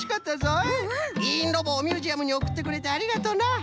いいんロボをミュージアムにおくってくれてありがとな。